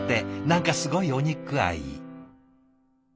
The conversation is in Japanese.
何かすごいお肉愛。